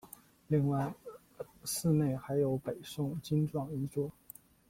另外寺内还有北宋经幢一座。